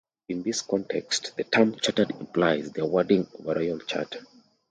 In this context, the term chartered implies the awarding of a Royal charter.